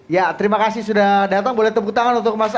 ya terima kasih sudah datang boleh tepuk tangan untuk mas